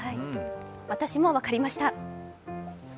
私も分かりました。